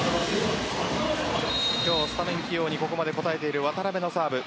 今日、スタメン起用にここまで応えている渡邊のサーブ。